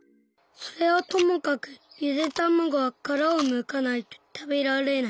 それはともかくゆでたまごはカラをむかないとたべられない。